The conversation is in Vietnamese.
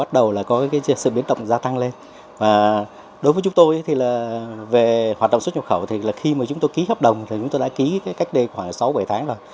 đối với chúng tôi về hoạt động xuất nhập khẩu khi chúng tôi ký hợp đồng thì chúng tôi đã ký cách đây khoảng sáu bảy tháng rồi